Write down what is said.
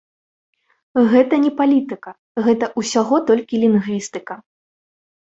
Гэта не палітыка, гэта ўсяго толькі лінгвістыка.